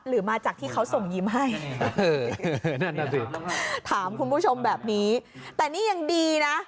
หรือมาจากที่เขาส่งยิ้มให้เออนั่นน่ะสิถามคุณผู้ชมแบบนี้แต่นี่ยังดีนะ